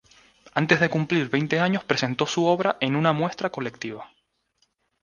Antes de cumplir veinte años presento su obra en una muestra colectiva.